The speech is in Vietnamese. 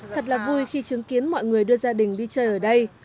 thật là vui khi chứng kiến mọi người đưa gia đình đi chơi ở đây